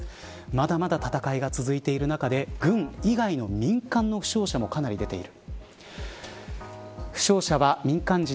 まだまだ戦いが続いている中で軍以外の民間の負傷者もかなり出ている。